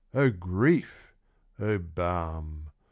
O grief ! O balm